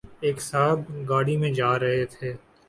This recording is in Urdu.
ایک صاحب گاڑی میں جارہے تھے